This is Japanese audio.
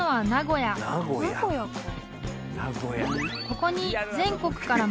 ［ここに］